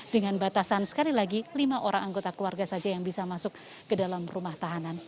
dengan batasan sekali lagi lima orang anggota keluarga saja yang bisa masuk ke dalam rumah tahanan